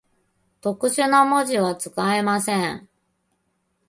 特殊な文字は、使えません。